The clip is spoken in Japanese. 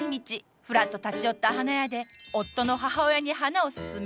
ふらっと立ち寄った花屋で夫の母親に花をすすめ